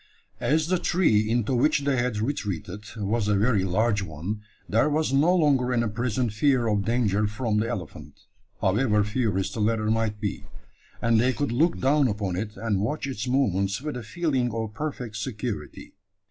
As the tree into which they had retreated was a very large one, there was no longer any present fear of danger from the elephant, however furious the latter might be; and they could look down upon it and watch its movements with a feeling of perfect security.